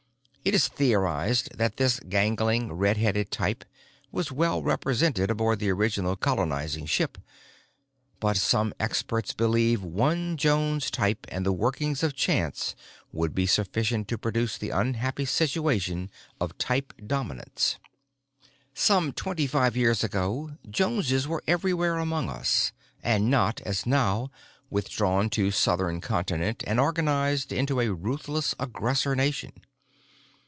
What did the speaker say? It is theorized that this gangling redheaded type was well represented aboard the original colonizing ship, but some experts believe one Jones type and the workings of chance would be sufficient to produce the unhappy situation of type dominance. "Some twenty five years ago Joneses were everywhere among us and not, as now, withdrawn to South Continent and organized into a ruthless aggressor nation.